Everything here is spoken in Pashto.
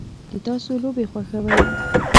د تاسو لوبې خوښوئ؟